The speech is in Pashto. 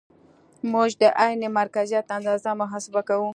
موږ د عین مرکزیت اندازه محاسبه کوو